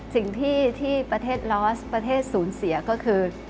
สิ่งที่ประเทศลอสประเทศศูนย์เสียก็คือ